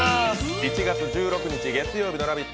１月１６日月曜日の「ラヴィット！」